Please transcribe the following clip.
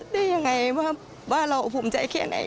ได้ยังไงว่าเราภูมิใจแค่ไหน